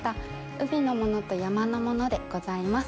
海のものと山のものでございます。